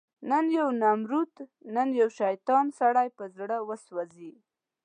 نن یو نمرود، نن یو شیطان، سړی په زړه وسوځي